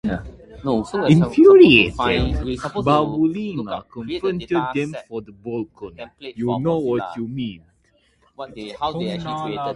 Infuriated, Bouboulina confronted them from the balcony.